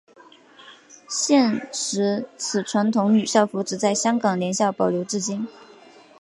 现时此传统女校服只在香港联校保留至今。